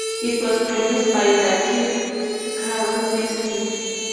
It was produced by Ducky Carlisle.